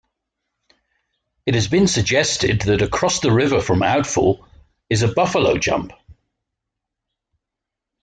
It has been suggested that across the river from "outfall" is a buffalo jump.